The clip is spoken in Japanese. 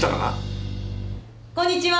こんにちは！